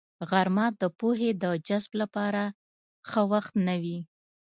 غرمه د پوهې د جذب لپاره ښه وخت نه وي